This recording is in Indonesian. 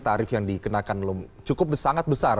tarif yang dikenakan cukup sangat besar